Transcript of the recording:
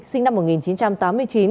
sinh năm một nghìn chín trăm tám mươi chín